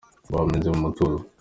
Rwameze mu mutuzo